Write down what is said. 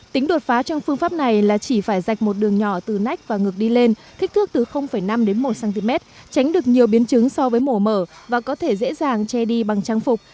tính đột phá trong phương pháp này là chỉ phải dạch một đường nhỏ từ nách và ngược đi lên thích thước từ năm đến một cm tránh được nhiều biến chứng so với mổ mở và có thể dễ dàng che đi bằng trang phục